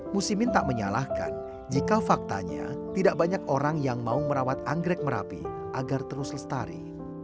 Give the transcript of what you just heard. musimin tak menyalahkan jika faktanya tidak banyak orang yang mau merawat anggrek merapi agar terus lestari